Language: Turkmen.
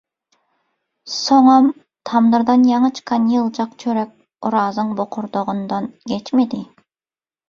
Soňam tamdyrdan ýaňy çykan ýyljak çörek Orazyň bokurdagyndan geçmedi.